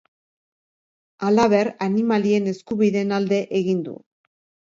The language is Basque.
Halaber, animalien eskubideen alde egin du.